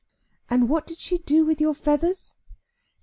"And what did she do with your feathers?"